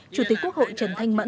chủ tịch quốc hội trần thanh nguyên